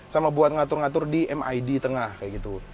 sama buat ngatur ngatur di mid tengah kayak gitu